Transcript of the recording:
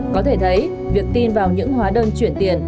có thể thấy việc tin vào những hóa đơn chuyển tiền